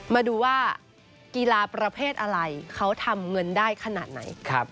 มาดูว่ากีฬาประเภทอะไรเขาทำเงินได้ขนาดไหน